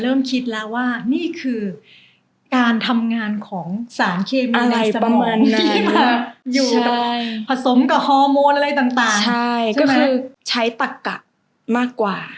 เริ่มคิดแล้วว่านี่คือการทำงานของสารเคมระใสสมองที่ผสมกับฮอร์โมนใช้ตะกะมากกว่า